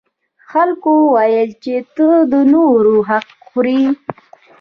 خلکو وویل چې ته د نورو حق خوري.